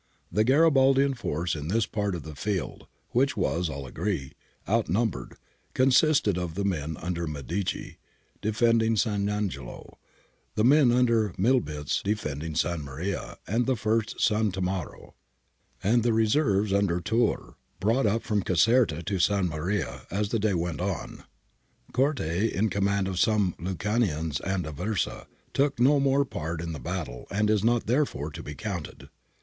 The Garibaldian force in this part of the field, which was, all agree, outnumbered, consisted of the men under Medici defending S. Angelo ; the men under Milbitz defending S. Maria and at first S. Tammaro ; and the reserves under Tiirr, brought up from Caserta to S. Maria as the day went on. (Corte, in command of some Lucanians at Aversa, took no more part in the battle and is not therefore to be counted.)